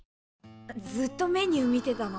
ずっとメニュー見てたの？